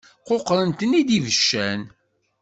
Quqṛen-ten-id ibeccan.